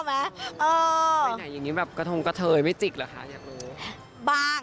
ไปไหนอย่างนี้แบบกระทงกระเทยไม่จิกเหรอคะอยากรู้บ้าง